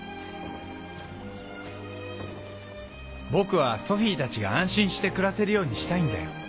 僕はソフィーたちが安心して暮らせるようにしたいんだよ。